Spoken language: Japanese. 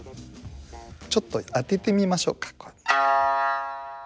ちょっと当ててみましょうか。